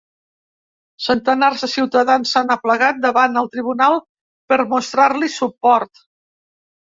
Centenars de ciutadans s’han aplegat davant el tribunal per mostrar-li suport.